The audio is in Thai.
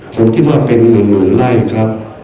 ผมคิดว่าเป็นหมื่นไร่ครับ